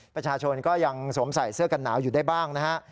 ประชาชนก็ยังสวมใส่เสื้อกันหนาวอยู่ได้บ้างนะฮะ